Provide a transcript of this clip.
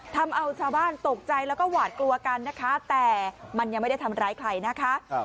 ทำเอาชาวบ้านตกใจแล้วก็หวาดกลัวกันนะคะแต่มันยังไม่ได้ทำร้ายใครนะคะ